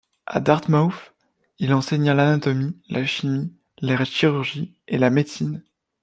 À Dartmouth, il enseigna l'anatomie, la chimie, la chirurgie et la médecine.